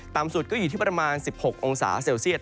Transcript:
สุดก็อยู่ที่ประมาณ๑๖องศาเซลเซียต